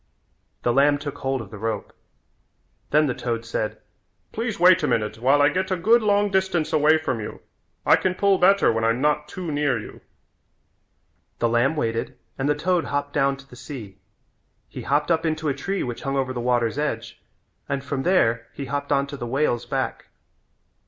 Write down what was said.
The lamb took hold of the rope. Then the toad said, "Please wait a minute while I get a good long distance away from you. I can pull better when I'm not too near you." The lamb waited and the toad hopped down to the sea. He hopped up into a tree which hung over the water's edge and from there he hopped on to the whale's back.